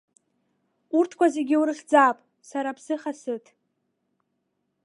Урҭқәа зегьы урыхьӡап, сара аԥсыха сыҭ!